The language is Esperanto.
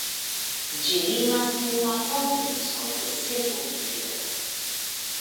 Ĝi limas kun la provinco Segovio.